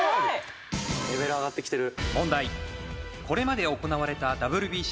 レベル上がってきてる。